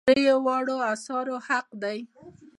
دا د دریو واړو آثارو حق دی.